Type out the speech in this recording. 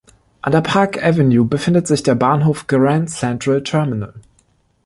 An der Park Avenue befindet sich der Bahnhof Grand Central Terminal.